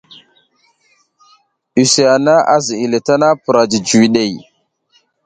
Use hana a ziʼinle tana, pura jijiwiɗey.